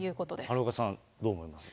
丸岡さん、どう思いますか。